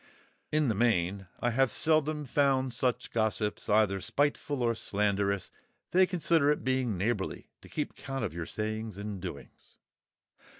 In the main, I have seldom found such gossips either spiteful or slanderous. They consider it being neighbourly to keep count of your sayings and doings.